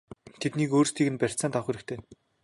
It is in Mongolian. Тэднийг өөрсдийг нь барьцаанд авах хэрэгтэй!!!